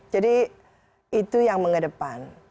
jadi itu yang mengedepan